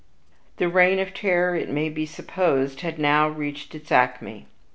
The reign of terror, it may be supposed, had now reached its acme.